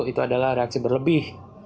itu adalah reaksi berlebih